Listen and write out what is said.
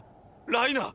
ライナー！